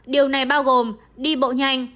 điều này bao gồm đi bộ nhanh